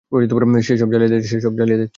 সে সব জ্বালিয়ে দিচ্ছে!